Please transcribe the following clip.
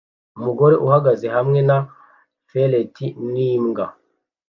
Umugore ahagaze hamwe na ferret n'imbwa